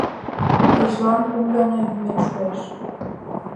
Кечылан кум гана йӱмет шуэш.